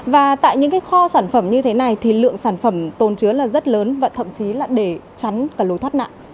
và tại những kho sản phẩm như thế này thì lượng sản phẩm tôn chứa rất lớn và thậm chí để chắn lối thoát nạn